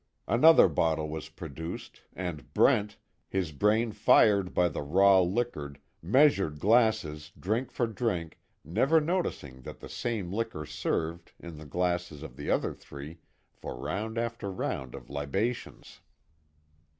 Another bottle was produced, and Brent, his brain fired by the raw liquor, measured glasses, drink for drink, never noticing that the same liquor served, in the glasses of the other three, for round after round of libations.